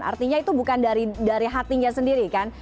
artinya itu bukan dari hatinya sendiri kan